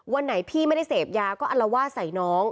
วันไหนพี่ไม่ได้เสพยาก็อัลวาดใส่น้อง